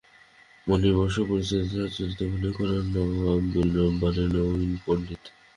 বাণী বসু পরিচালিত চলচ্চিত্রটিতে অভিনয় করেন নওয়াব আবদুল জব্বার এবং নবীন পণ্ডিত।